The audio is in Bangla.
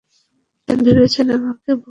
ভেবেছেন আমাকে বোকা বানাতে পারবেন?